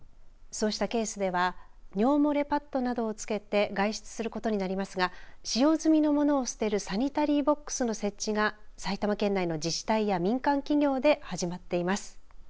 そうしたケースでは尿漏れパッドなどをつけて外出することになりますが使用済みのものを捨てるサニタリーボックスの設置が埼玉県内の自治体や民間企業で始まっています。